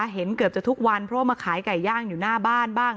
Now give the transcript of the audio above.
เห็นเกือบจะทุกวันเพราะว่ามาขายไก่ย่างอยู่หน้าบ้านบ้าง